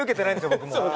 僕も。